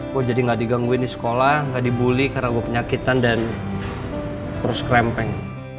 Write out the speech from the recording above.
gue jadi gak digangguin di sekolah nggak dibully karena gue penyakitan dan kurus krempeng